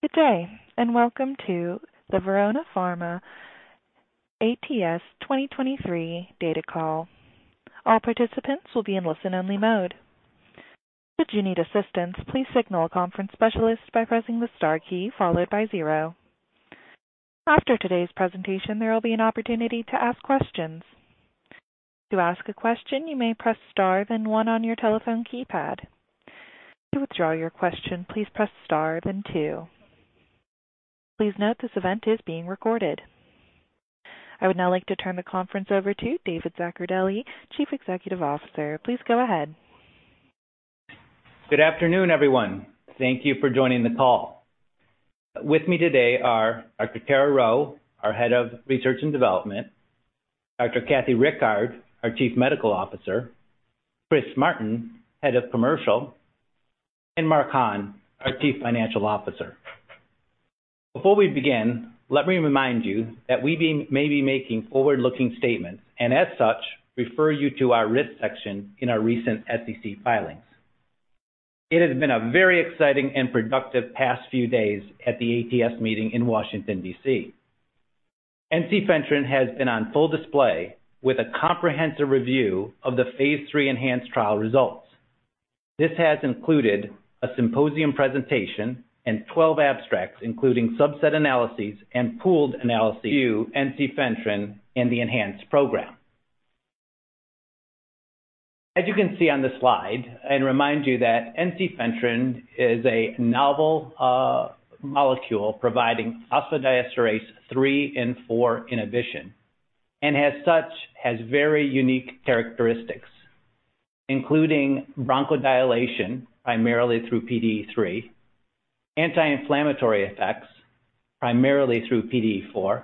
Good day, and welcome to the Verona Pharma ATS 2023 Data Call. All participants will be in listen-only mode. Should you need assistance, please signal a conference specialist by pressing the star key followed by zero. After today's presentation, there will be an opportunity to ask questions. To ask a question, you may press star then one on your telephone keypad. To withdraw your question, please press star then two. Please note this event is being recorded. I would now like to turn the conference over to David Zaccardelli, Chief Executive Officer. Please go ahead. Good afternoon, everyone. Thank you for joining the call. With me today are Dr. Tara Rheault, our Head of Research and Development, Dr. Kathleen Rickard, our Chief Medical Officer, Chris Martin, Chief Commercial Officer, and Mark W. Hahn, our Chief Financial Officer. Before we begin, let me remind you that we may be making forward-looking statements and, as such, refer you to our Risks section in our recent SEC filings. It has been a very exciting and productive past few days at the ATS meeting in Washington, D.C. ensifentrine has been on full display with a comprehensive review of the phase III ENHANCE trial results. This has included a symposium presentation and 12 abstracts, including subset analyses and pooled analyses to ensifentrine in the ENHANCE program. As you can see on the slide, I'd remind you that ensifentrine is a novel molecule providing phosphodiesterase 3 and 4 inhibition and, as such, has very unique characteristics, including bronchodilation, primarily through PDE3, anti-inflammatory effects, primarily through PDE4,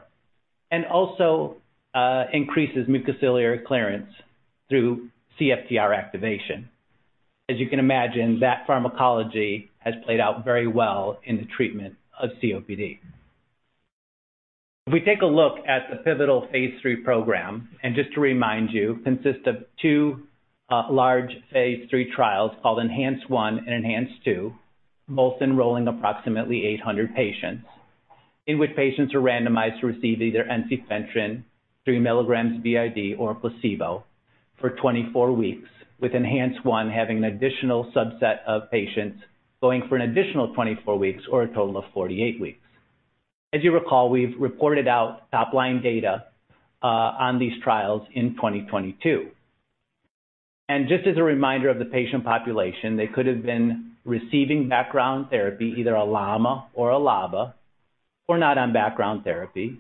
and also increases mucociliary clearance through CFTR activation. As you can imagine, that pharmacology has played out very well in the treatment of COPD. If we take a look at the pivotal phase III program, just to remind you, consists of two large phase III trials called ENHANCE-1 and ENHANCE-2, both enrolling approximately 800 patients, in which patients are randomized to receive either ensifentrine 3 mg BID or a placebo for 24 weeks, with ENHANCE-1 having an additional subset of patients going for an additional 24 weeks or a total of 48 weeks. As you recall, we've reported out top-line data on these trials in 2022. Just as a reminder of the patient population, they could have been receiving background therapy, either a LAMA or a LABA or not on background therapy,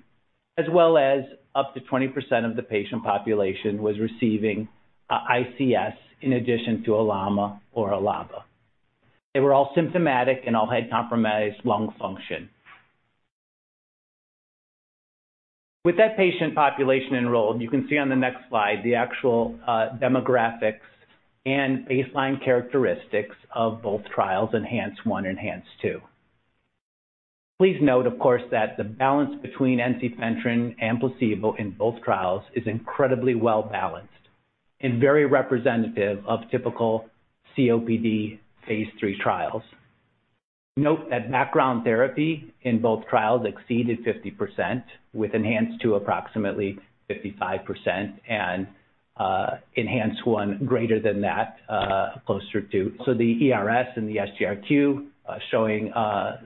as well as up to 20% of the patient population was receiving a ICS in addition to a LAMA or a LABA. They were all symptomatic and all had compromised lung function. With that patient population enrolled, you can see on the next slide the actual demographics and baseline characteristics of both trials, ENHANCE-1 and ENHANCE-2. Please note, of course, that the balance between ensifentrine and placebo in both trials is incredibly well-balanced and very representative of typical COPD phase III trials. Note that background therapy in both trials exceeded 50%, with ENHANCE-2 approximately 55% and ENHANCE-1 greater than that, closer to So the ERS and the SGRQ showing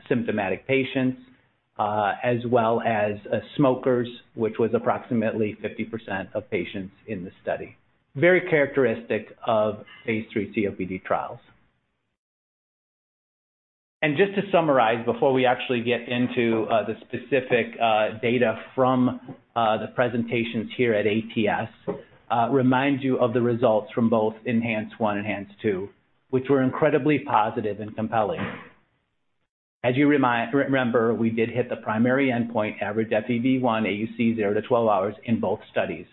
symptomatic patients as well as smokers, which was approximately 50% of patients in the study. Very characteristic of phase III COPD trials. Just to summarize before we actually get into the specific data from the presentations here at ATS, remind you of the results from both ENHANCE-1 and ENHANCE-2, which were incredibly positive and compelling. As you remember, we did hit the primary endpoint average FEV1 AUC zero to 12 hours in both studies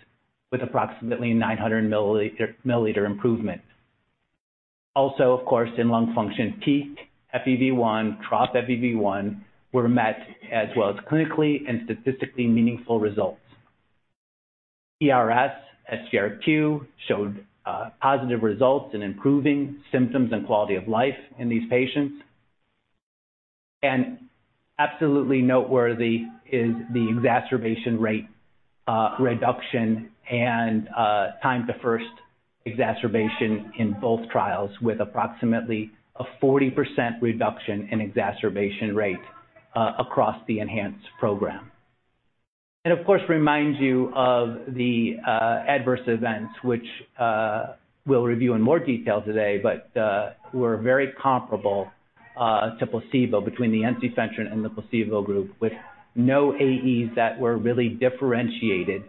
with approximately 900 mL improvement. Also, of course, in lung function peak FEV1, trough FEV1 were met as well as clinically and statistically meaningful results. ERS, SGRQ showed positive results in improving symptoms and quality of life in these patients. Absolutely noteworthy is the exacerbation rate reduction and time to first exacerbation in both trials with approximately a 40% reduction in exacerbation rate across the ENHANCE program. Of course remind you of the adverse events which we'll review in more detail today, but were very comparable to placebo between the ensifentrine and the placebo group with no AEs that were really differentiated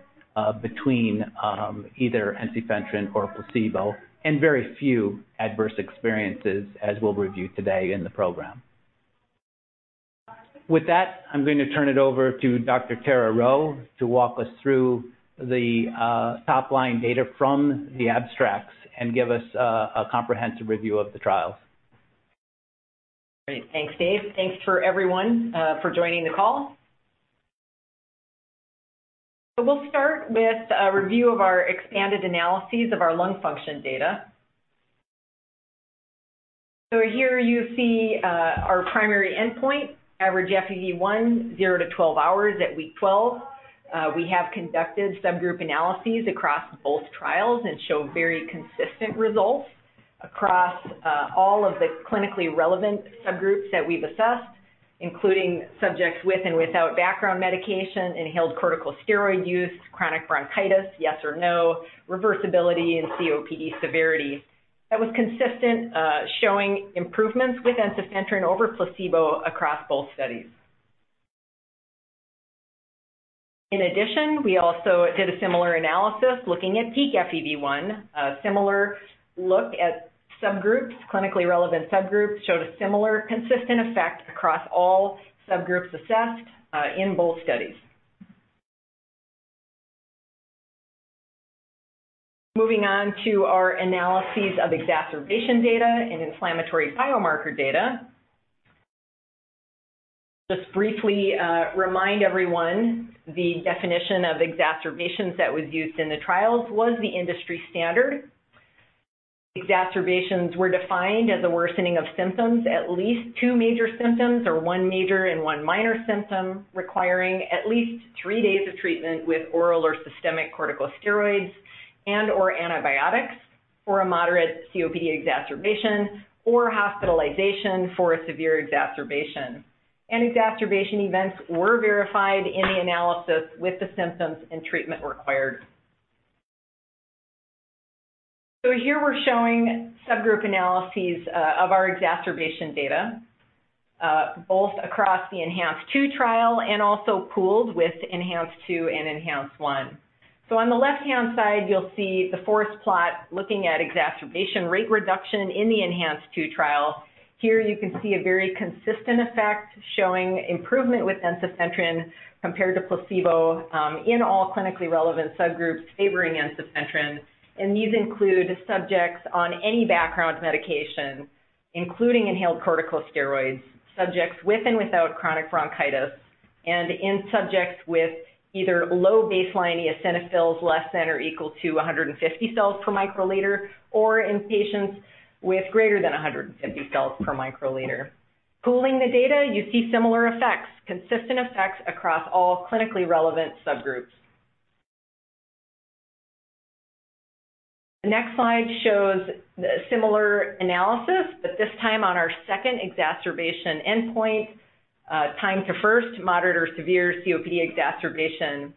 between either ensifentrine or placebo and very few adverse experiences as we'll review today in the program. With that, I'm going to turn it over to Dr. Tara Rheault to walk us through the top-line data from the abstracts and give us a comprehensive review of the trials. Great. Thanks, Dave. Thanks for everyone for joining the call We'll start with a review of our expanded analyses of our lung function data. Here you see our primary endpoint, average FEV1, zero to 12 hours at week 12. We have conducted subgroup analyses across both trials and show very consistent results across all of the clinically relevant subgroups that we've assessed, including subjects with and without background medication, inhaled corticosteroid use, chronic bronchitis, yes or no, reversibility, and COPD severity. That was consistent, showing improvements with ensifentrine over placebo across both studies. In addition, we also did a similar analysis looking at peak FEV1, a similar look at subgroups, clinically relevant subgroups, showed a similar consistent effect across all subgroups assessed in both studies. Moving on to our analyses of exacerbation data and inflammatory biomarker data. Just briefly, remind everyone the definition of exacerbations that was used in the trials was the industry standard. Exacerbations were defined as a worsening of symptoms, at least two major symptoms, or one major and one minor symptom, requiring at least three days of treatment with oral or systemic corticosteroids and/or antibiotics for a moderate COPD exacerbation or hospitalization for a severe exacerbation. Any exacerbation events were verified in the analysis with the symptoms and treatment required. Here we're showing subgroup analyses of our exacerbation data, both across the ENHANCE-2 trial and also pooled with ENHANCE-2 and ENHANCE-1. On the left-hand side you'll see the forest plot looking at exacerbation rate reduction in the ENHANCE-2 trial. Here you can see a very consistent effect showing improvement with ensifentrine compared to placebo, in all clinically relevant subgroups favoring ensifentrine. These include subjects on any background medication, including inhaled corticosteroids, subjects with and without chronic bronchitis, and in subjects with either low baseline eosinophils less than or equal to 150 cells per microliter, or in patients with greater than 150 cells per microliter. Pooling the data, you see similar effects, consistent effects across all clinically relevant subgroups. The next slide shows the similar analysis, but this time on our second exacerbation endpoint, time to first moderate or severe COPD exacerbation.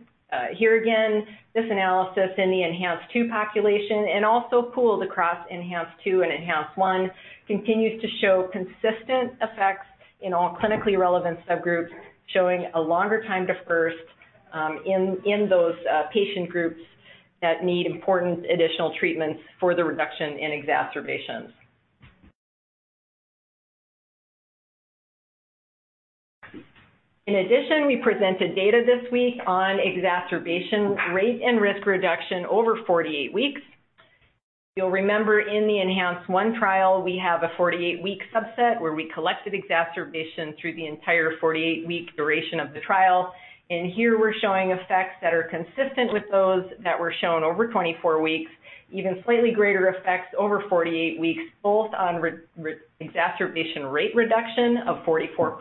Here again, this analysis in the ENHANCE-2 population and also pooled across ENHANCE-2 and ENHANCE-1 continues to show consistent effects in all clinically relevant subgroups showing a longer time to first, in those patient groups that need important additional treatments for the reduction in exacerbations. In addition, we presented data this week on exacerbation rate and risk reduction over 48 weeks. You'll remember in the ENHANCE-1 trial, we have a 48-week subset where we collected exacerbation through the entire 48-week duration of the trial. Here we're showing effects that are consistent with those that were shown over 24 weeks, even slightly greater effects over 48 weeks, both on exacerbation rate reduction of 44%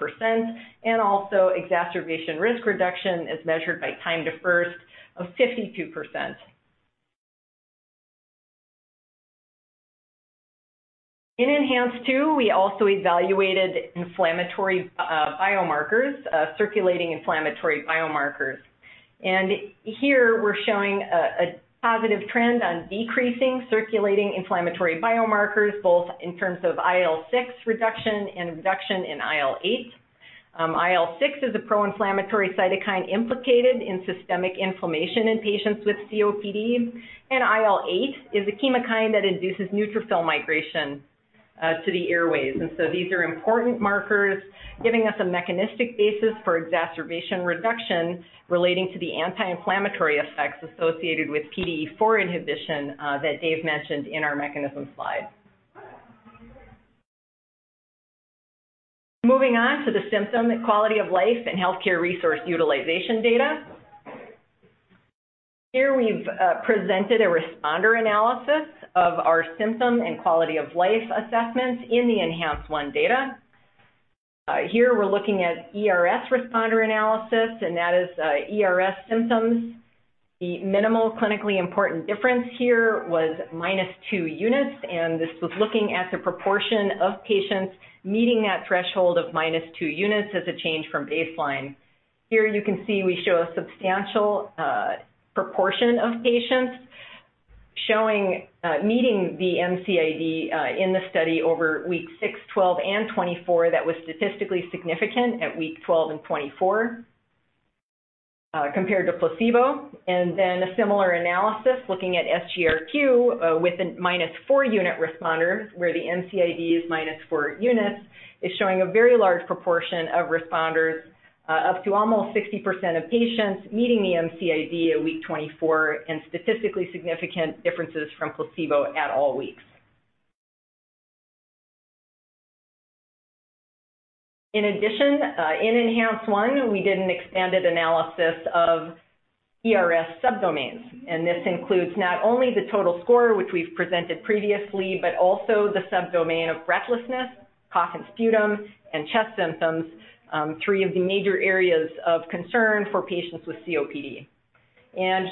and also exacerbation risk reduction as measured by time to first of 52%. In ENHANCE-2, we also evaluated inflammatory biomarkers, circulating inflammatory biomarkers. Here we're showing a positive trend on decreasing circulating inflammatory biomarkers, both in terms of IL-6 reduction and reduction in IL-8. IL-6 is a pro-inflammatory cytokine implicated in systemic inflammation in patients with COPD, and IL-8 is a chemokine that induces neutrophil migration to the airways. These are important markers giving us a mechanistic basis for exacerbation reduction relating to the anti-inflammatory effects associated with PDE4 inhibition that Dave mentioned in our mechanism slide. Moving on to the symptom quality of life and healthcare resource utilization data. Here we've presented a responder analysis of our symptom and quality of life assessments in the ENHANCE-1 data. Here we're looking at ERS responder analysis, and that is ERS symptoms. The minimal clinically important difference here was -2 units, and this was looking at the proportion of patients meeting that threshold of -2 units as a change from baseline. Here you can see we show a substantial proportion of patients showing meeting the MCID in the study over week six, 12, and 24 that was statistically significant at week 12 and 24 compared to placebo. A similar analysis looking at SGRQ, with a -4 unit responder where the MCID is -4 units, is showing a very large proportion of responders, up to almost 60% of patients meeting the MCID at week 24 and statistically significant differences from placebo at all weeks. In addition, in ENHANCE-1, we did an extended analysis of ERS subdomains, and this includes not only the total score, which we've presented previously, but also the subdomain of breathlessness, cough and sputum, and chest symptoms, three of the major areas of concern for patients with COPD.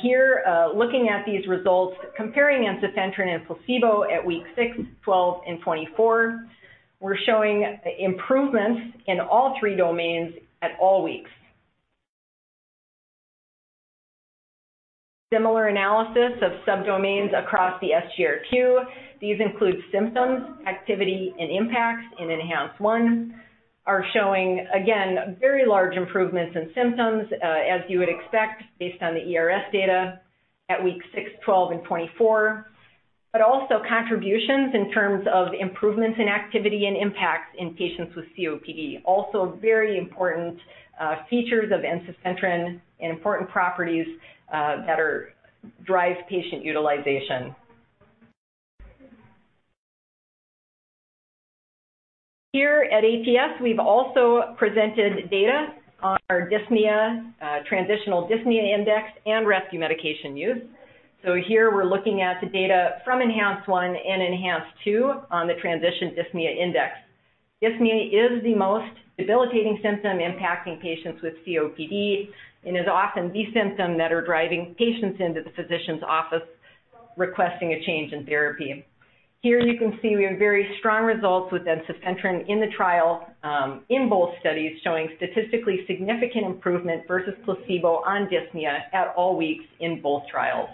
Here, looking at these results comparing ensifentrine and placebo at week six, 12, and 24, we're showing improvements in all three domains at all weeks. Similar analysis of subdomains across the SGRQ. These include symptoms, activity, and impacts in ENHANCE 1 are showing, again, very large improvements in symptoms, as you would expect based on the ERS data at week six, 12, and 24. Also contributions in terms of improvements in activity and impacts in patients with COPD. Also very important features of ensifentrine and important properties that are drive patient utilization. Here at ATS, we've also presented data on our dyspnea, Transition Dyspnea Index, and rescue medication use. Here we're looking at the data from ENHANCE-1 and ENHANCE-2 on the Transition Dyspnea Index. Dyspnea is the most debilitating symptom impacting patients with COPD and is often the symptom that are driving patients into the physician's office requesting a change in therapy. Here you can see we have very strong results with ensifentrine in the trial, in both studies showing statistically significant improvement versus placebo on dyspnea at all weeks in both trials.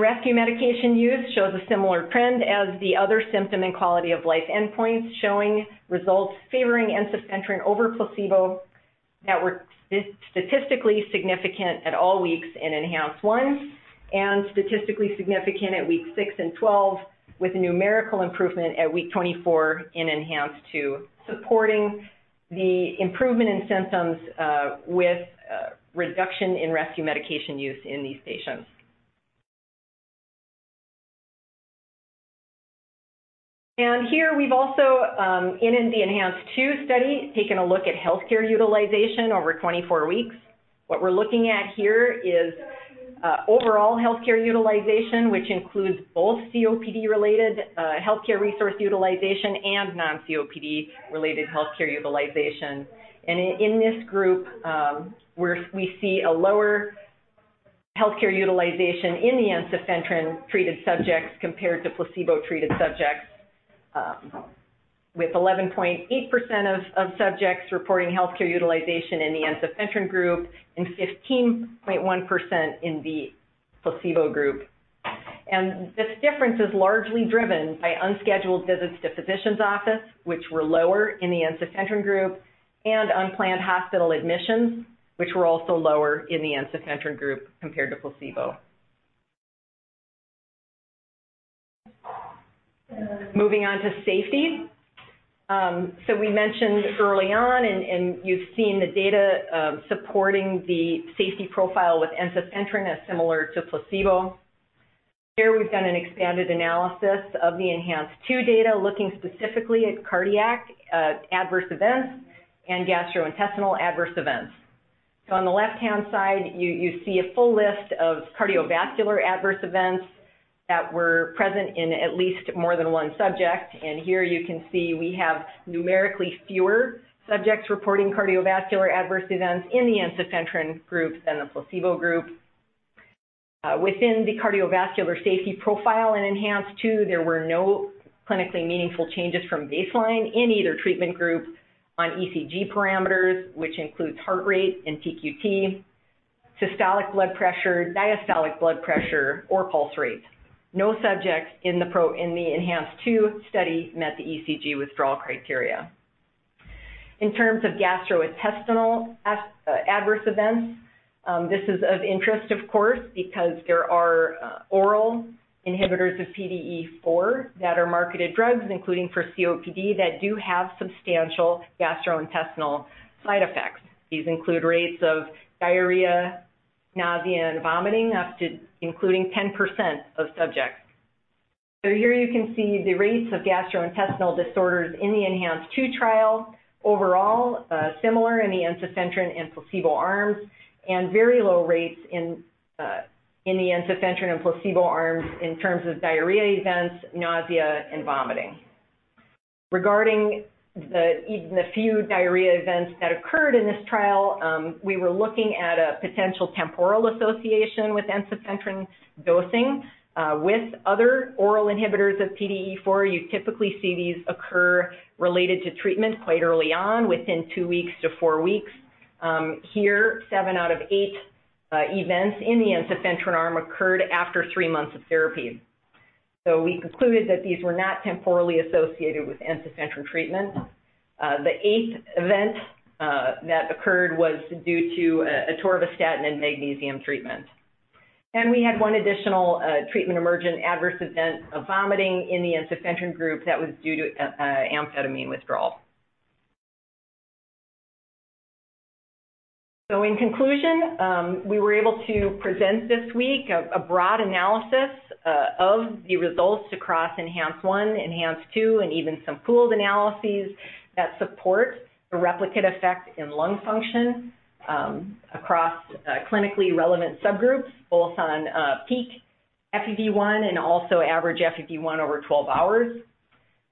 Rescue medication use shows a similar trend as the other symptom and quality-of-life endpoints, showing results favoring ensifentrine over placebo that were statistically significant at all weeks in ENHANCE-1 and statistically significant at week six and 12 with a numerical improvement at week 24 in ENHANCE-2, supporting the improvement in symptoms, with reduction in rescue medication use in these patients. Here we've also, in the ENHANCE-2 study, taken a look at healthcare utilization over 24 weeks. What we're looking at here is overall healthcare utilization, which includes both COPD-related healthcare resource utilization and non-COPD-related healthcare utilization. In this group, we see a lower healthcare utilization in the ensifentrine-treated subjects compared to placebo-treated subjects, with 11.8% of subjects reporting healthcare utilization in the ensifentrine group and 15.1% in the placebo group. This difference is largely driven by unscheduled visits to physician's office, which were lower in the ensifentrine group, and unplanned hospital admissions, which were also lower in the ensifentrine group compared to placebo. Moving on to safety. We mentioned early on and you've seen the data supporting the safety profile with ensifentrine as similar to placebo. Here we've done an expanded analysis of the ENHANCE-2 data, looking specifically at cardiac adverse events and gastrointestinal adverse events. On the left-hand side, you see a full list of cardiovascular adverse events that were present in at least more than one subject. Here you can see we have numerically fewer subjects reporting cardiovascular adverse events in the ensifentrine group than the placebo group. Within the cardiovascular safety profile in ENHANCE-2, there were no clinically meaningful changes from baseline in either treatment group on ECG parameters, which includes heart rate and TQT, systolic blood pressure, diastolic blood pressure, or pulse rate. No subjects in the ENHANCE-2 study met the ECG withdrawal criteria. In terms of gastrointestinal adverse events, this is of interest, of course, because there are oral inhibitors of PDE4 that are marketed drugs, including for COPD, that do have substantial gastrointestinal side effects. These include rates of diarrhea, nausea, and vomiting up to including 10% of subjects. Here you can see the rates of gastrointestinal disorders in the ENHANCE-2 trial. Overall, similar in the ensifentrine and placebo arms, and very low rates in the ensifentrine and placebo arms in terms of diarrhea events, nausea, and vomiting. Regarding the few diarrhea events that occurred in this trial, we were looking at a potential temporal association with ensifentrine dosing. With other oral inhibitors of PDE4, you typically see these occur related to treatment quite early on within two weeks to four weeks. Here, seven out of eight events in the ensifentrine arm occurred after three months of therapy. We concluded that these were not temporally associated with ensifentrine treatment. The eighth event that occurred was due to atorvastatin and magnesium treatment. We had one additional treatment-emergent adverse event of vomiting in the ensifentrine group that was due to amphetamine withdrawal. In conclusion, we were able to present this week a broad analysis of the results across ENHANCE-1, ENHANCE-2, and even some pooled analyses that support the replicate effect in lung function across clinically relevant subgroups, both on peak FEV1 and also average FEV1 over 12 hours.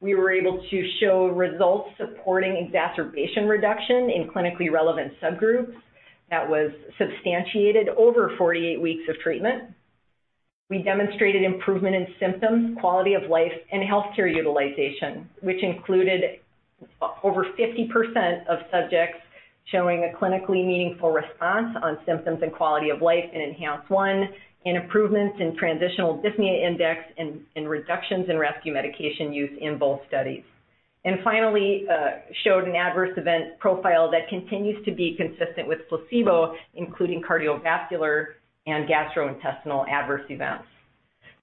We were able to show results supporting exacerbation reduction in clinically relevant subgroups that was substantiated over 48 weeks of treatment. We demonstrated improvement in symptoms, quality of life, and healthcare utilization, which included over 50% of subjects showing a clinically meaningful response on symptoms and quality of life in ENHANCE-1, and improvements in Transition Dyspnea Index and reductions in rescue medication use in both studies. Finally, showed an adverse event profile that continues to be consistent with placebo, including cardiovascular and gastrointestinal adverse events.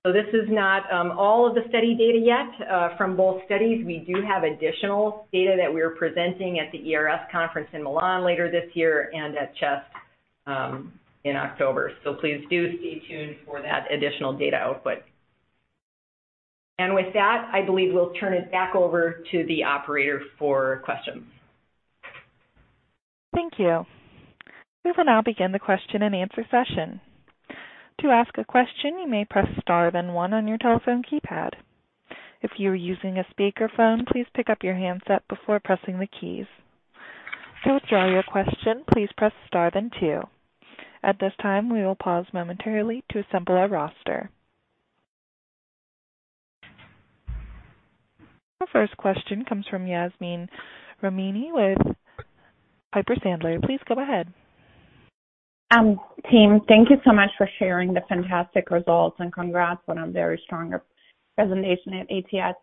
This is not all of the study data yet from both studies. We do have additional data that we're presenting at the ERS conference in Milan later this year and at CHEST in October. Please do stay tuned for that additional data output. And with that, I believe we'll turn it back over to the operator for questions. Thank you. We will now begin the question-and-answer session. To ask a question, you may press star then one on your telephone keypad. If you are using a speakerphone, please pick up your handset before pressing the keys. To withdraw your question, please press star then two. At this time, we will pause momentarily to assemble our roster. Our first question comes from Yasmeen Rahimi with Piper Sandler. Please go ahead. Team, thank you so much for sharing the fantastic results, and congrats on a very strong presentation at ATS.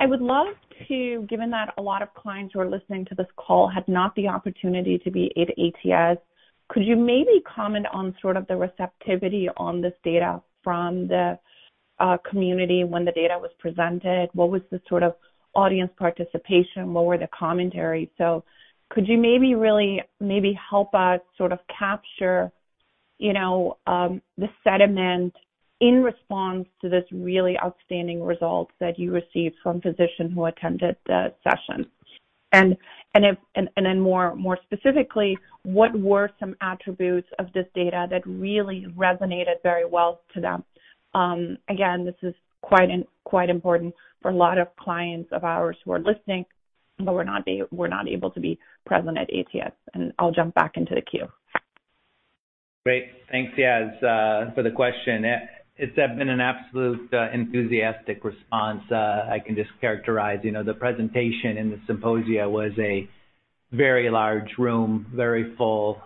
I would love to Given that a lot of clients who are listening to this call had not the opportunity to be at ATS, could you maybe comment on sort of the receptivity on this data from the community when the data was presented? What was the sort of audience participation? What were the commentaries? Could you maybe really maybe help us sort of capture, you know, the sentiment in response to this really outstanding results that you received from physicians who attended the session? More specifically, what were some attributes of this data that really resonated very well to them? Again, this is quite important for a lot of clients of ours who are listening but were not able to be present at ATS. I'll jump back into the queue. Great. Thanks, Yas, for the question. It's been an absolute enthusiastic response. I can just characterize, you know, the presentation and the symposia was a very large room, very full.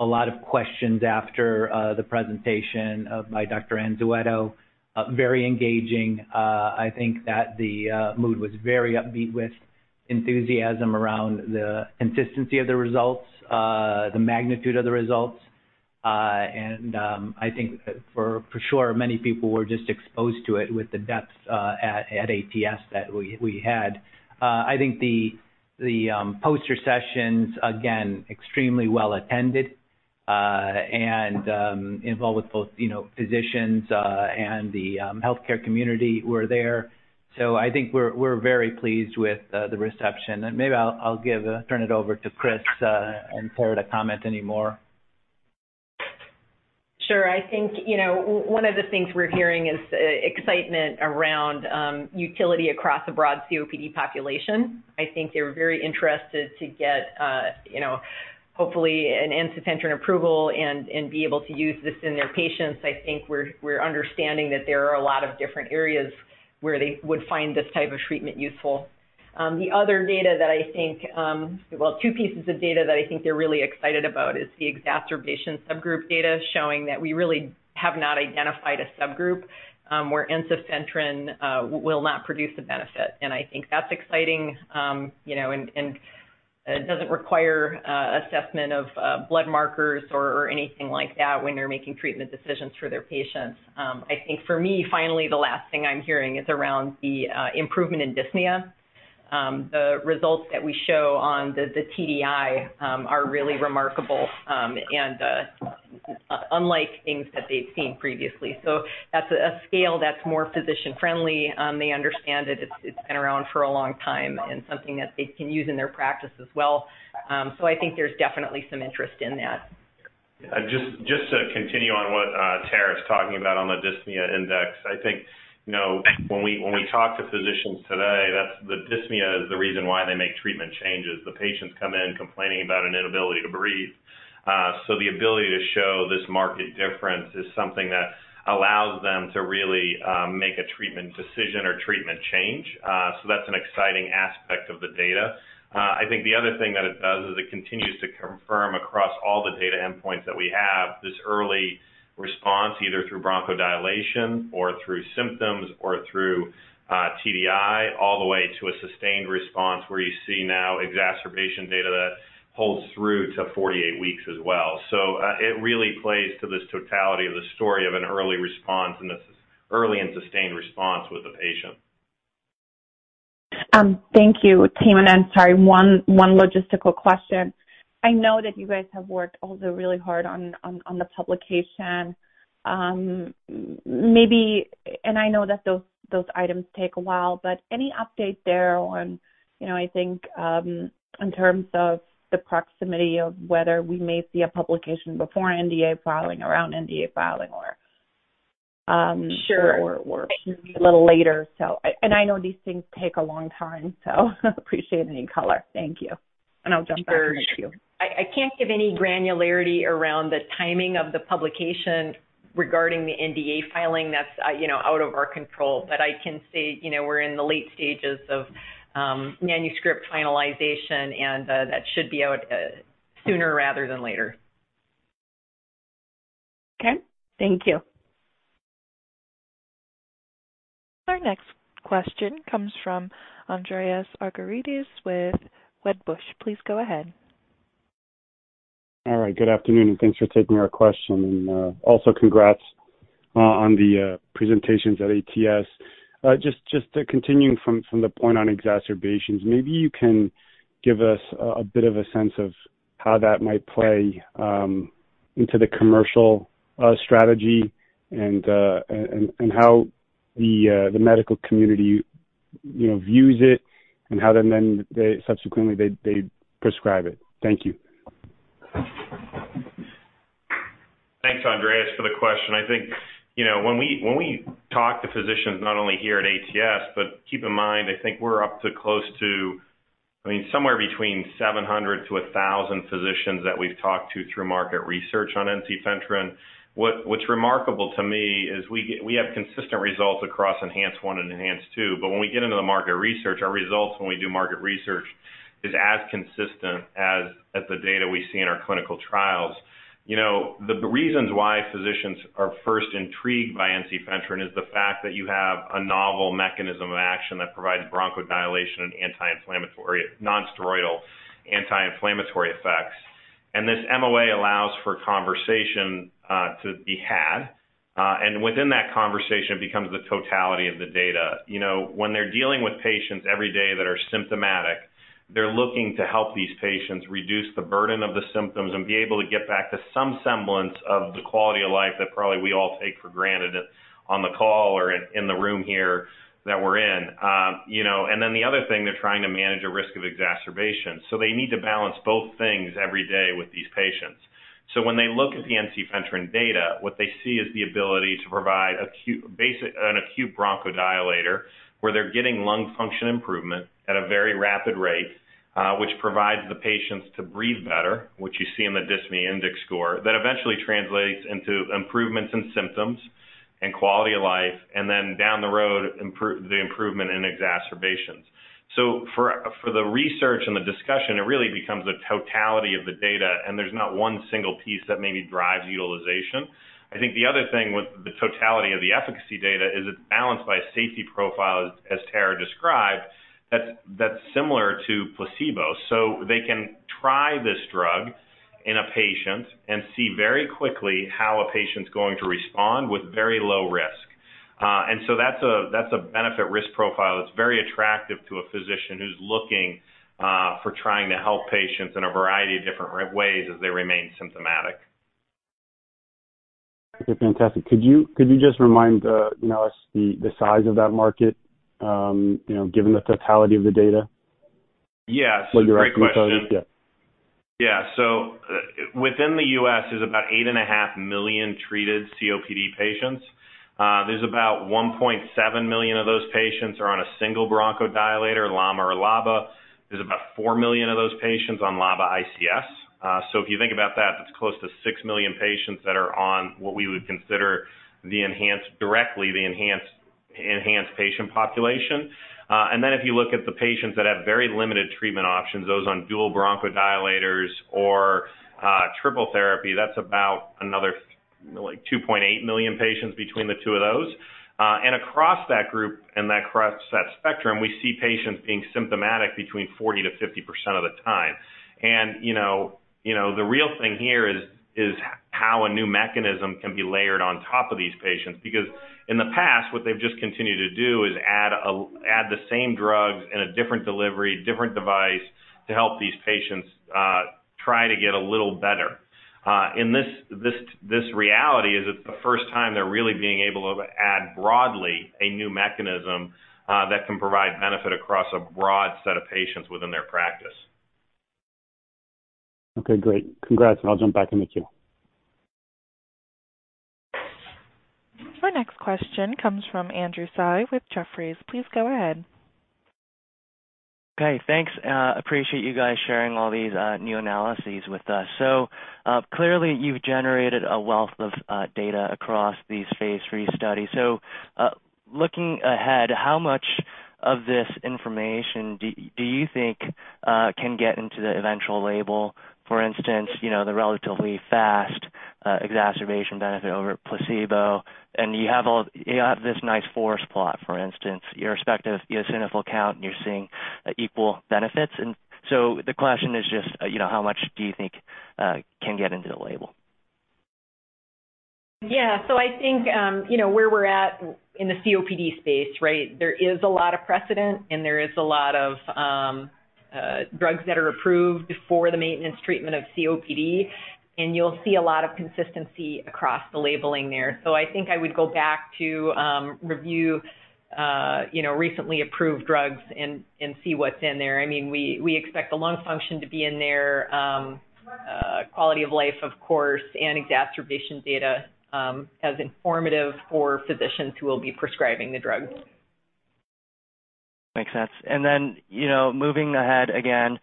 A lot of questions after the presentation by Dr. Anzueto. Very engaging. I think that the mood was very upbeat with enthusiasm around the consistency of the results, the magnitude of the results. I think for sure many people were just exposed to it with the depth at ATS that we had. I think the poster sessions, again, extremely well-attended, and involved with both, you know, physicians, and the healthcare community who were there. I think we're very pleased with the reception. Maybe I'll give, turn it over to Chris, and Tara to comment any more. Sure. I think, you know, one of the things we're hearing is excitement around utility across a broad COPD population. I think they're very interested to get, you know, hopefully an ensifentrine approval and be able to use this in their patients. I think we're understanding that there are a lot of different areas where they would find this type of treatment useful. The other data that I think, two pieces of data that I think they're really excited about is the exacerbation subgroup data showing that we really have not identified a subgroup where ensifentrine will not produce a benefit. I think that's exciting, you know, doesn't require assessment of blood markers or anything like that when they're making treatment decisions for their patients. I think for me, finally, the last thing I'm hearing is around the improvement in dyspnea. The results that we show on the TDI are really remarkable and unlike things that they've seen previously. That's a scale that's more physician-friendly. They understand it. It's been around for a long time and something that they can use in their practice as well. I think there's definitely some interest in that. Just to continue on what Tara's talking about on the Dyspnea Index. I think, you know, when we talk to physicians today, the dyspnea is the reason why they make treatment changes. The patients come in complaining about an inability to breathe. The ability to show this marked difference is something that allows them to really make a treatment decision or treatment change. That's an exciting aspect of the data. I think the other thing that it does is it continues to confirm across all the data endpoints that we have this early response, either through bronchodilation or through symptoms or through TDI, all the way to a sustained response where you see now exacerbation data that holds through to 48 weeks as well. It really plays to this totality of the story of an early response and this early and sustained response with the patient. Thank you, team, and I'm sorry, one logistical question. I know that you guys have worked also really hard on the publication. I know that those items take a while, but any update there on, you know, I think, in terms of the proximity of whether we may see a publication before NDA filing, around NDA filing or? Sure. It can be a little later. I know these things take a long time, so appreciate any color. Thank you. I'll jump back in the queue. Sure. I can't give any granularity around the timing of the publication regarding the NDA filing. That's, you know, out of our control. I can say, you know, we're in the late stages of manuscript finalization, and that should be out sooner rather than later. Okay. Thank you. Our next question comes from Andreas Argyrides with Wedbush Securities. Please go ahead. All right. Good afternoon, and thanks for taking our question. Also congrats on the presentations at ATS. Just to continuing from the point on exacerbations, maybe you can give us a bit of a sense of how that might play into the commercial strategy and how the medical community, you know, views it and how then they subsequently they prescribe it. Thank you. Thanks, Andreas, for the question. I think, you know, when we talk to physicians, not only here at ATS, but keep in mind, I think we're up to close to, I mean, somewhere between 700-1,000 physicians that we've talked to through market research on ensifentrine. What's remarkable to me is we have consistent results across ENHANCE-1 and ENHANCE-2, but when we get into the market research, our results when we do market research is as consistent as the data we see in our clinical trials. You know, the reasons why physicians are first intrigued by ensifentrine is the fact that you have a novel mechanism of action that provides bronchodilation and anti-inflammatory nonsteroidal anti-inflammatory effects. This MOA allows for conversation to be had and within that conversation becomes the totality of the data. You know, when they're dealing with patients every day that are symptomatic, they're looking to help these patients reduce the burden of the symptoms and be able to get back to some semblance of the quality of life that probably we all take for granted on the call or in the room here that we're in. You know, the other thing, they're trying to manage a risk of exacerbation. They need to balance both things every day with these patients. When they look at the ensifentrine data, what they see is the ability to provide an acute bronchodilator, where they're getting lung function improvement at a very rapid rate, which provides the patients to breathe better, which you see in the Dyspnea Index score, that eventually translates into improvements in symptoms and quality of life, and then down the road, the improvement in exacerbations. For the research and the discussion, it really becomes a totality of the data, and there's not one single piece that maybe drives utilization. I think the other thing with the totality of the efficacy data is it's balanced by safety profile, as Tara described, that's similar to placebo. They can try this drug in a patient and see very quickly how a patient's going to respond with very low risk. That's a benefit risk profile that's very attractive to a physician who's looking for trying to help patients in a variety of different ways as they remain symptomatic. Okay, fantastic. Could you just remind, you know, us the size of that market, you know, given the totality of the data? Yes. Great question. What your estimate size, yeah? Within the U.S., there's about 8.5 million treated COPD patients. There's about 1.7 million of those patients are on a single bronchodilator, LAMA or LABA. There's about 4 million of those patients on LABA ICS. If you think about that, it's close to 6 million patients that are on what we would consider the ENHANCE patient population. If you look at the patients that have very limited treatment options, those on dual bronchodilators or triple therapy, that's about another like 2.8 million patients between the two of those. Across that group and that across that spectrum, we see patients being symptomatic between 40%-50% of the time. You know, the real thing here is how a new mechanism can be layered on top of these patients. Because in the past, what they've just continued to do is add the same drugs in a different delivery, different device to help these patients try to get a little better. In this reality, it's the first time they're really being able to add broadly a new mechanism that can provide benefit across a broad set of patients within their practice. Okay, great. Congrats, and I'll jump back in the queue. Our next question comes from Andrew Tsai with Jefferies. Please go ahead. Okay, thanks. Appreciate you guys sharing all these new analyses with us. Clearly you've generated a wealth of data across these Phase III studies. Looking ahead, how much of this information do you think can get into the eventual label? For instance, you know, the relatively fast exacerbation benefit over placebo. You have this nice force plot, for instance, your respective eosinophil count, and you're seeing equal benefits. The question is just, you know, how much do you think can get into the label? Yeah. I think, you know, where we're at in the COPD space, right? There is a lot of precedent, and there is a lot of drugs that are approved for the maintenance treatment of COPD, and you'll see a lot of consistency across the labeling there. I think I would go back to review, you know, recently approved drugs and see what's in there. I mean, we expect the lung function to be in there, quality of life, of course, and exacerbation data as informative for physicians who will be prescribing the drug. Makes sense. You know, moving ahead again,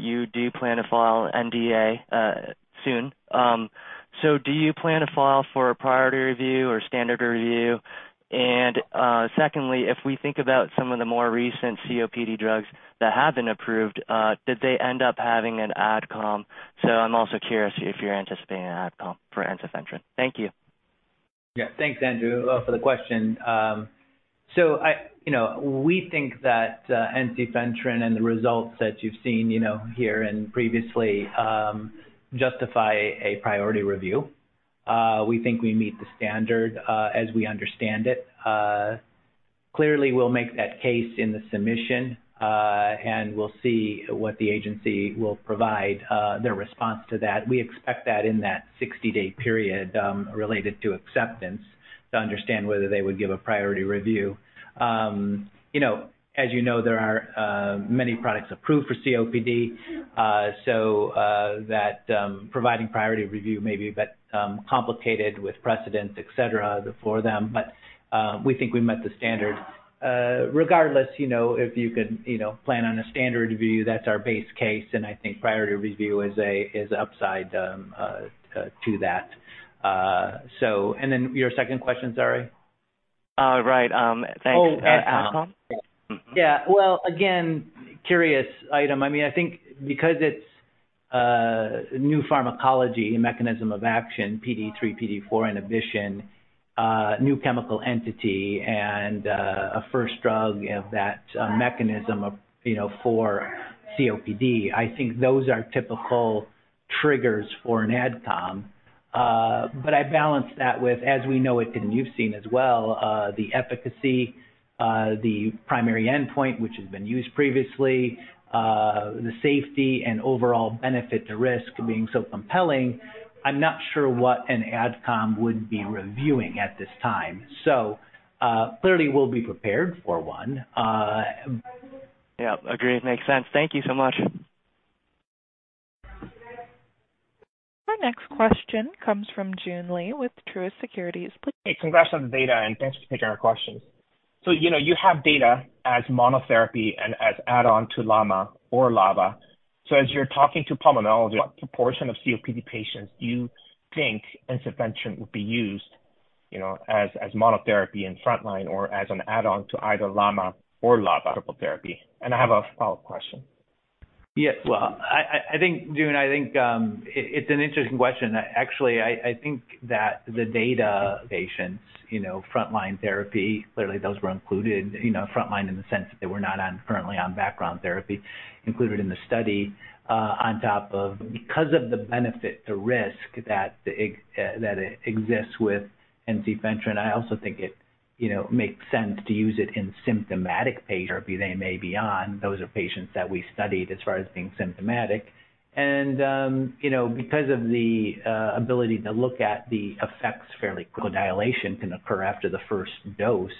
you do plan to file NDA soon. Do you plan to file for a priority review or standard review? Secondly, if we think about some of the more recent COPD drugs that have been approved, did they end up having an Adcom? I'm also curious if you're anticipating an Adcom for ensifentrine. Thank you. Yeah. Thanks, Andrew, for the question. You know, we think that ensifentrine and the results that you've seen, you know, here and previously, justify a priority review. We think we meet the standard as we understand it. Clearly, we'll make that case in the submission, and we'll see what the agency will provide their response to that. We expect that in that 60-day period, related to acceptance to understand whether they would give a priority review. You know, as you know, there are many products approved for COPD. That providing priority review may be a bit complicated with precedents, etc, for them, but we think we met the standard. Regardless, you know, if you can, you know, plan on a standard review, that's our base case, and I think priority review is upside to that. Your second question, sorry. Right. Thanks. Oh, Adcom. Mm-hmm. Yeah. Well, again, curious item. I mean, I think because it's new pharmacology mechanism of action, PDE3, PDE4 inhibition, new chemical entity and a first drug of that mechanism of, you know, for COPD, I think those are typical triggers for an Adcom. I balance that with, as we know it, and you've seen as well, the efficacy, the primary endpoint which has been used previously, the safety and overall benefit to risk being so compelling, I'm not sure what an Adcom would be reviewing at this time. Clearly we'll be prepared for one. Yeah, agreed. Makes sense. Thank you so much. Our next question comes from Joon Lee with Truist Securities. Please. Hey, congrats on the data, and thanks for taking our questions. You know, you have data as monotherapy and as add-on to LAMA or LABA. As you're talking to pulmonology, what proportion of COPD patients do you think ensifentrine would be used, you know, as monotherapy in frontline or as an add-on to either LAMA or LABA triple therapy? I have a follow-up question. Yes. Well, I think, Joon, I think, it's an interesting question. Actually, I think that the data patients, you know, frontline therapy, clearly those were included, you know, frontline in the sense that they were not on currently on background therapy included in the study, on top of because of the benefit to risk that exists with ensifentrine, I also think it, you know, makes sense to use it in symptomatic therapy they may be on. Those are patients that we studied as far as being symptomatic. You know, because of the ability to look at the effects fairly quick, dilation can occur after the first dose.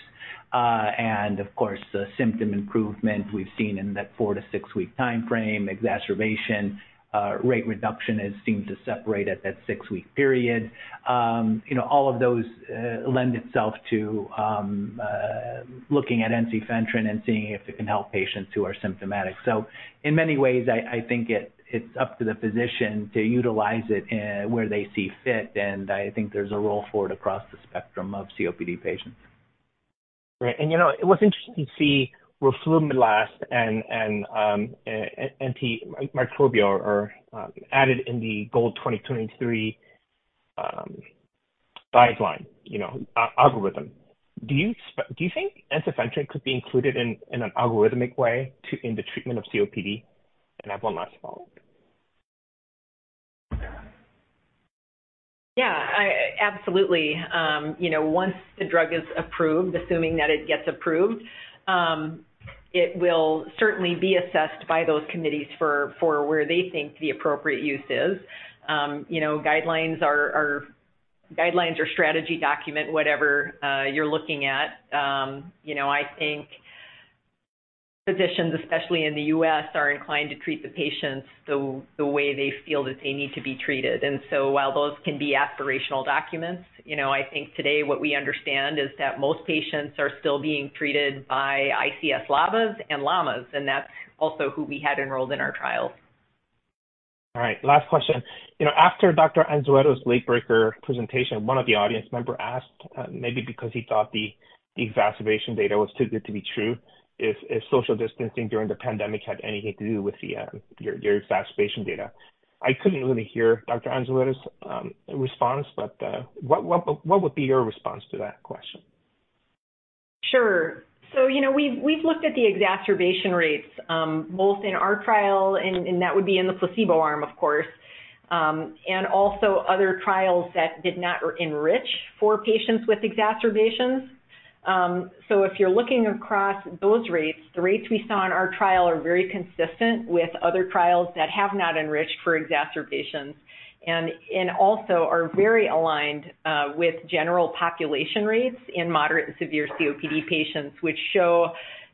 Of course, the symptom improvement we've seen in that four-six-week timeframe, exacerbation, rate reduction has seemed to separate at that six-week period. you know, all of those lend itself to looking at ensifentrine and seeing if it can help patients who are symptomatic. In many ways, I think it's up to the physician to utilize it where they see fit, and I think there's a role for it across the spectrum of COPD patients. Right. You know, it was interesting to see roflumilast and antimicrobials are added in the GOLD 2023 guideline, you know, algorithm. Do you think ensifentrine could be included in an algorithmic way to, in the treatment of COPD? I have one last follow-up. Yeah. absolutely. you know, once the drug is approved, assuming that it gets approved, it will certainly be assessed by those committees for where they think the appropriate use is. you know, guidelines are guidelines or strategy document, whatever, you're looking at. you know, I think physicians, especially in the U.S., are inclined to treat the patients the way they feel that they need to be treated. While those can be aspirational documents, you know, I think today what we understand is that most patients are still being treated by ICS/LABAs and LAMAs, and that's also who we had enrolled in our trials. All right. Last question. You know, after Dr. Anzueto's late breaker presentation, one of the audience member asked, maybe because he thought the exacerbation data was too good to be true if social distancing during the pandemic had anything to do with the exacerbation data. I couldn't really hear Dr. Anzueto's response, but what would be your response to that question? Sure. You know, we've looked at the exacerbation rates, both in our trial and that would be in the placebo arm, of course. Also other trials that did not enrich for patients with exacerbations. If you're looking across those rates, the rates we saw in our trial are very consistent with other trials that have not enriched for exacerbations and also are very aligned with general population rates in moderate and severe COPD patients, which show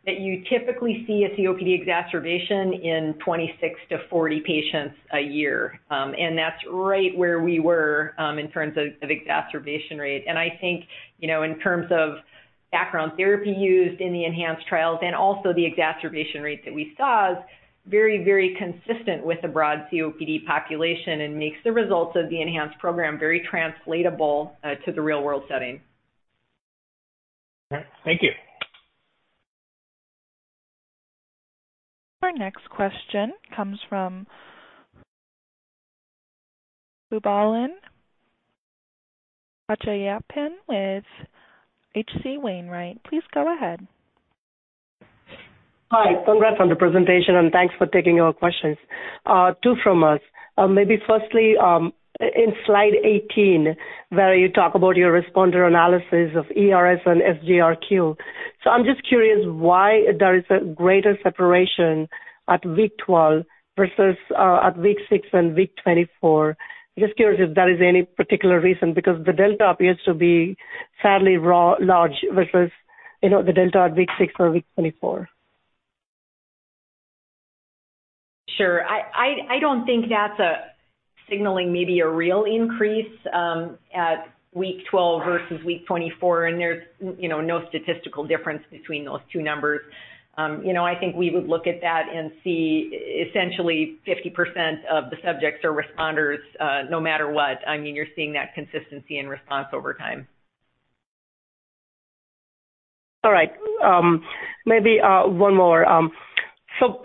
that you typically see a COPD exacerbation in 26-40 patients a year. That's right where we were in terms of exacerbation rate. I think, you know, in terms of background therapy used in the ENHANCE trials and also the exacerbation rates that we saw is very, very consistent with the broad COPD population and makes the results of the ENHANCE program very translatable to the real-world setting. All right. Thank you. Our next question comes from Swayampakula Ramakanth with H.C. Wainwright. Please go ahead. Hi. Congrats on the presentation. Thanks for taking our questions. Two from us. Maybe firstly, in slide 18, where you talk about your responder analysis of ERS and SGRQ. I'm just curious why there is a greater separation at week 12 versus, at week six and week 24. Just curious if there is any particular reason, because the delta appears to be fairly large versus, you know, the delta at week six or week 24. Sure. I don't think that's a signaling maybe a real increase at week 12 versus week 24, and there's you know, no statistical difference between those two numbers. You know, I think we would look at that and see essentially 50% of the subjects are responders, no matter what. I mean, you're seeing that consistency in response over time. All right. Maybe one more.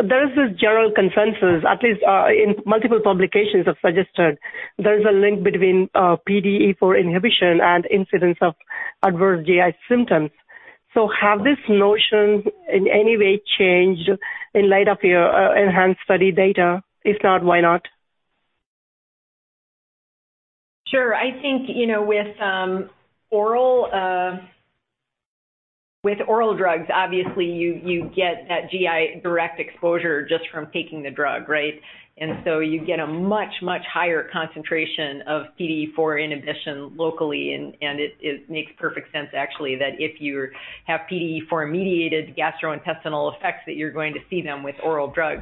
There is this general consensus, at least, in multiple publications have suggested there's a link between PDE4 inhibition and incidence of adverse GI symptoms. Have this notion in any way changed in light of your ENHANCE study data? If not, why not? Sure. I think, you know, with oral, with oral drugs, obviously you get that GI direct exposure just from taking the drug, right? You get a much, much higher concentration of PDE4 inhibition locally, and it makes perfect sense actually that if you have PDE4 mediated gastrointestinal effects, that you're going to see them with oral drugs.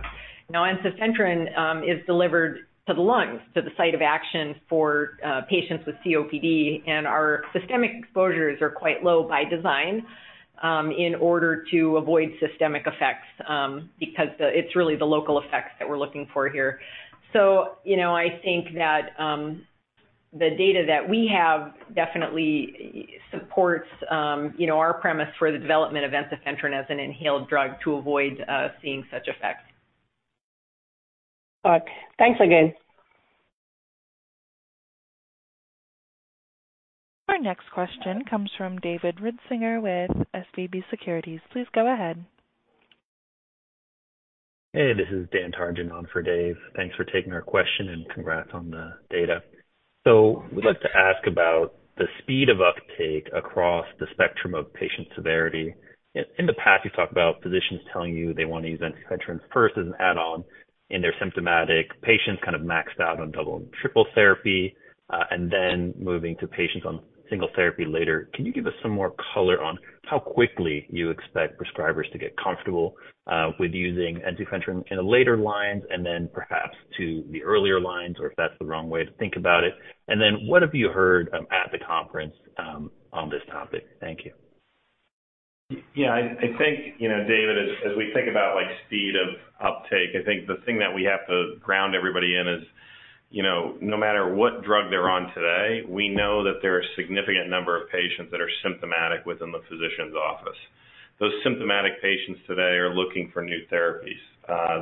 Ensifentrine is delivered to the lungs, to the site of action for patients with COPD, and our systemic exposures are quite low by design, in order to avoid systemic effects, because it's really the local effects that we're looking for here. You know, I think that the data that we have definitely supports, you know, our premise for the development of ensifentrine as an inhaled drug to avoid seeing such effects. Okay. Thanks again. Our next question comes from David Risinger with SVB Securities. Please go ahead. Hey, this is David Tarjan on for Dave. Thanks for taking our question, and congrats on the data. We'd like to ask about the speed of uptake across the spectrum of patient severity. In the past, you've talked about physicians telling you they want to use ensifentrine first as an add-on in their symptomatic patients kind of maxed out on double and triple therapy, and then moving to patients on single therapy later. Can you give us some more color on how quickly you expect prescribers to get comfortable with using ensifentrine in the later lines and then perhaps to the earlier lines, or if that's the wrong way to think about it? What have you heard at the conference on this topic? Thank you. Yeah, I think, you know, David, as we think about, like, speed of uptake, I think the thing that we have to ground everybody in is, you know, no matter what drug they're on today, we know that there are a significant number of patients that are symptomatic within the physician's office. Those symptomatic patients today are looking for new therapies.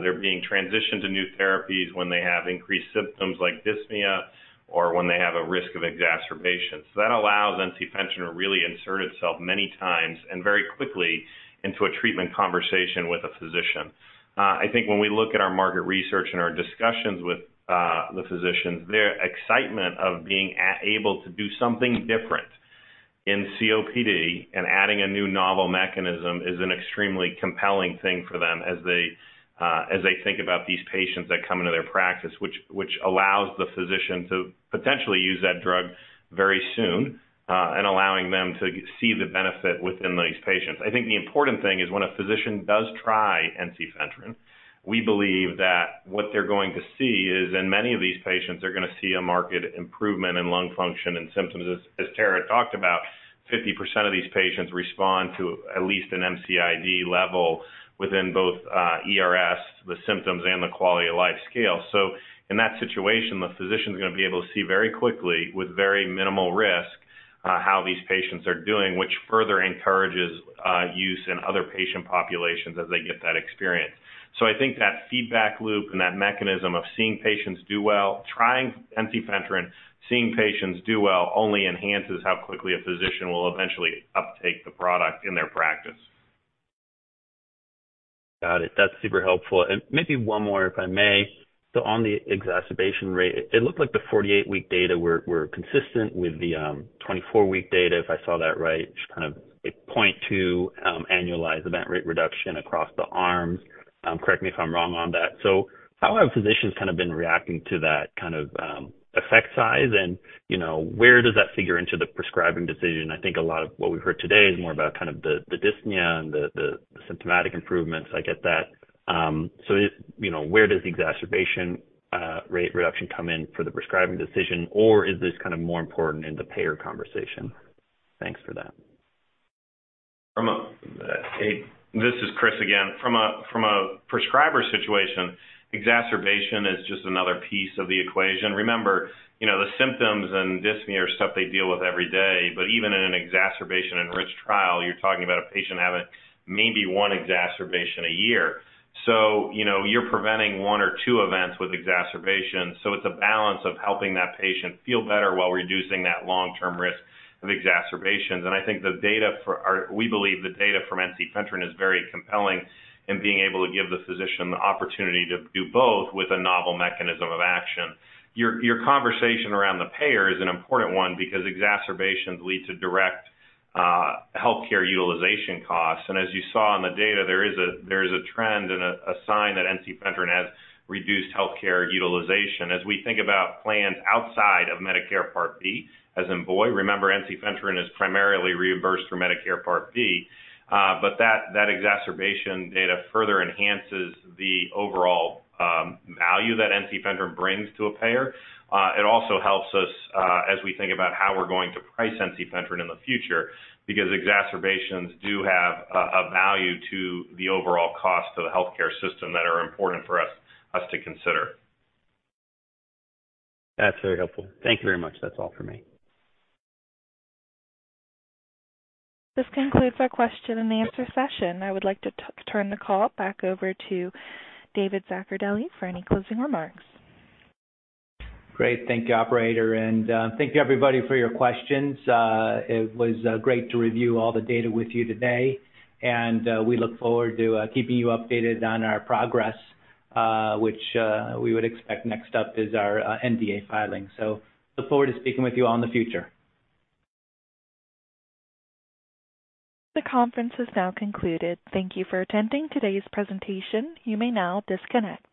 They're being transitioned to new therapies when they have increased symptoms like dyspnea or when they have a risk of exacerbation. That allows ensifentrine to really insert itself many times and very quickly into a treatment conversation with a physician. I think when we look at our market research and our discussions with the physicians, their excitement of being able to do something different in COPD and adding a new novel mechanism is an extremely compelling thing for them as they think about these patients that come into their practice, which allows the physician to potentially use that drug very soon, and allowing them to see the benefit within these patients. I think the important thing is when a physician does try ensifentrine, we believe that what they're going to see is in many of these patients are gonna see a marked improvement in lung function and symptoms. As Tara talked about, 50% of these patients respond to at least an MCID level within both ERS, the symptoms, and the quality of life scale. In that situation, the physician's gonna be able to see very quickly with very minimal risk, how these patients are doing, which further encourages use in other patient populations as they get that experience. I think that feedback loop and that mechanism of seeing patients do well, trying ensifentrine, seeing patients do well only enhances how quickly a physician will eventually uptake the product in their practice. Got it. That's super helpful. Maybe one more, if I may. On the exacerbation rate, it looked like the 48 week data were consistent with the 24 week data, if I saw that right. Just kind of a point to annualize event rate reduction across the arms. Correct me if I'm wrong on that. How have physicians kind of been reacting to that kind of effect size? You know, where does that figure into the prescribing decision? I think a lot of what we've heard today is more about kind of the dyspnea and the symptomatic improvements. I get that. You know, where does the exacerbation rate reduction come in for the prescribing decision, or is this kind of more important in the payer conversation? Thanks for that. This is Chris again. From a prescriber situation, exacerbation is just another piece of the equation. Remember, you know, the symptoms and dyspnea are stuff they deal with every day. Even in an exacerbation-enriched trial, you're talking about a patient having maybe one exacerbation a year. You know, you're preventing one or two events with exacerbation. It's a balance of helping that patient feel better while reducing that long-term risk of exacerbations. I think we believe the data from ensifentrine is very compelling in being able to give the physician the opportunity to do both with a novel mechanism of action. Your conversation around the payer is an important one because exacerbations lead to direct healthcare utilization costs. As you saw in the data, there is a trend and a sign that ensifentrine has reduced healthcare utilization. As we think about plans outside of Medicare Part B, as in boy, remember, ensifentrine is primarily reimbursed for Medicare Part B. That exacerbation data further enhances the overall value that ensifentrine brings to a payer. It also helps us as we think about how we're going to price ensifentrine in the future, because exacerbations do have a value to the overall cost of the healthcare system that are important for us to consider. That's very helpful. Thank you very much. That's all for me. This concludes our question and answer session. I would like to turn the call back over to David Zaccardelli for any closing remarks. Great. Thank you, operator. Thank you, everybody, for your questions. It was great to review all the data with you today, we look forward to keeping you updated on our progress, which we would expect next up is our NDA filing. Look forward to speaking with you all in the future. The conference is now concluded. Thank you for attending today's presentation. You may now disconnect.